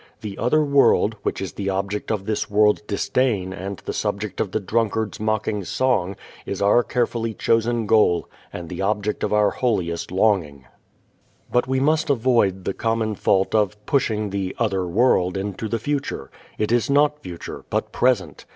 The "other world," which is the object of this world's disdain and the subject of the drunkard's mocking song, is our carefully chosen goal and the object of our holiest longing. But we must avoid the common fault of pushing the "other world" into the future. It is not future, but present.